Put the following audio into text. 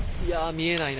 見えないな。